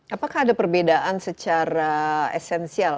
apakah ada perbedaan secara esensial